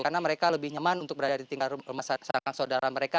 karena mereka lebih nyaman untuk berada di tingkat rumah sanak saudara mereka